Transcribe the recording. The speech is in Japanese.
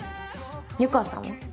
湯川さんは？